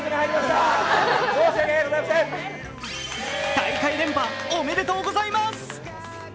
大会連覇、おめでとうございます！